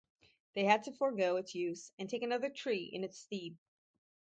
They had to forgo its use and take another tree in its stead.